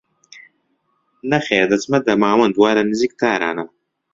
نەخێر دەچمە دەماوەند وا لە نیزیک تارانە